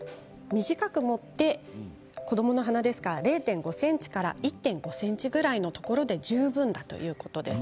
短く持って、子どもの鼻ですから０．５ｃｍから１．５ｃｍぐらいのところで十分だということです。